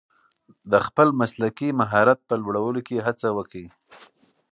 د خپل مسلکي مهارت په لوړولو کې هڅه وکړئ.